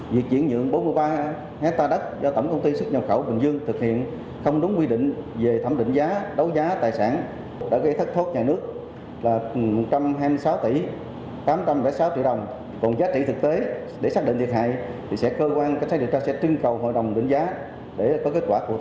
việc chuyển nhượng bốn mươi ba hectare đất do tổng công ty xuất nhập khẩu bình dương thực hiện không đúng quy định về thẩm định giá đấu giá tài sản đã gây thất thoát nhà nước